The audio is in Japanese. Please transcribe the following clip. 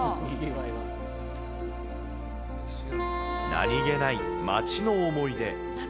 何気ない街の思い出。